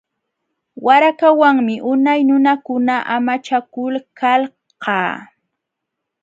Warakawanmi unay nunakuna amachakulkalqa.